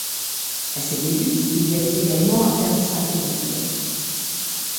À ses débuts, il y avait également un service par téléphone.